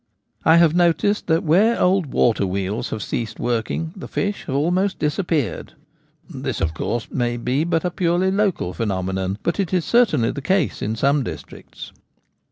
I have noticed that where old water wheels have ceased working the fish have almost disappeared. This, of course, may be but a purely local phenomenon, but it is certainly 86 The Gamekeeper at Home. the case in some districts.